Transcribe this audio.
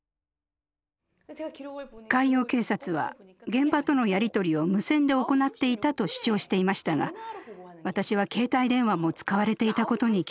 海洋警察は現場とのやり取りを無線で行っていたと主張していましたが私は携帯電話も使われていたことに気付きました。